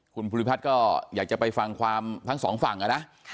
คุณภูริพัฒน์ก็อยากจะไปฟังความทั้งสองฝั่งนะ